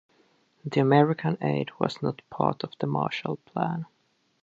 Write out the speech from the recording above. The American aid was not part of the Marshall Plan.